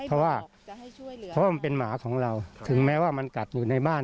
เพราะว่าเพราะว่ามันเป็นหมาของเราถึงแม้ว่ามันกัดอยู่ในบ้าน